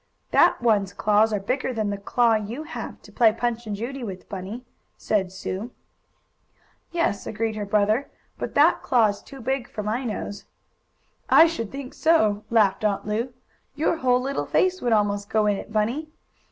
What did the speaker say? "That one's claws are bigger than the claw you have, to play Punch and Judy with, Bunny," said Sue. "Yes," agreed her brother, "but that claw is too big for my nose." "I should think so!" laughed Aunt Lu. "Your whole little face would almost go in it, Bunny.